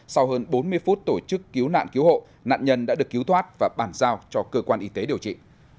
sau hơn bốn mươi phút tổ chức cứu nạn cứu hộ nạn nhân đã được cứu thoát và bàn giao cho cơ quan y tế điều trị